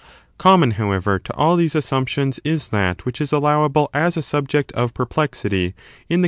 Common Commou, howover, to all these assumptions is subject of that which is allowable as a subject of perplexity ou t ere .